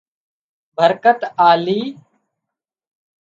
برڪت آلي